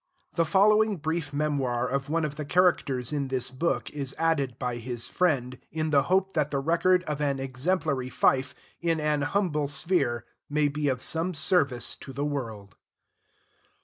The following brief Memoir of one of the characters in this book is added by his friend, in the hope that the record of an exemplary fife in an humble sphere may be of some service to the world.